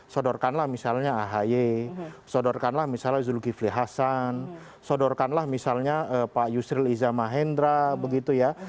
sodorkanlah misalnya ahy sodorkanlah misalnya zulkifli hasan sodorkanlah misalnya pak yusril iza mahendra begitu ya